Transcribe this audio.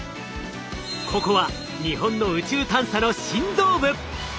ここは日本の宇宙探査の心臓部！